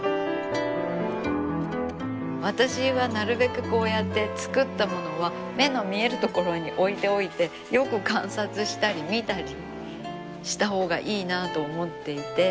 私はなるべくこうやって作ったものは目の見える所に置いておいてよく観察したり見たりしたほうがいいなあと思っていて。